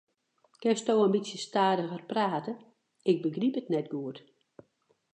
Kinne jo in bytsje stadiger prate, ik begryp it net goed.